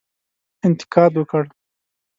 انتقاد وکړ.